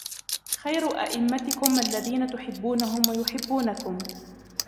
خَيْرُ أَئِمَّتِكُمْ الَّذِينَ تُحِبُّونَهُمْ وَيُحِبُّونَكُمْ